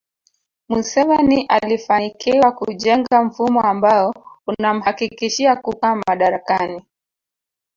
Museveni alifanikiwa kujenga mfumo ambao unamhakikishia kukaa madarakani